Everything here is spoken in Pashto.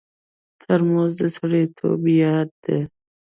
ترموز د سړیتوب یاد دی.